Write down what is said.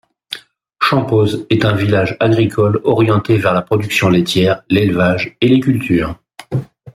Champoz est un village agricole orienté vers la production laitière, l'élevage et les cultures.